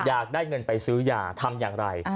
อยากได้เงินไปซื้อยาทำอย่างไร